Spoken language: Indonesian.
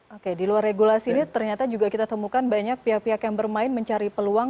oke di luar regulasi ini ternyata juga kita temukan banyak pihak pihak yang bermain mencari peluang